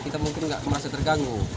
kita mungkin nggak merasa terganggu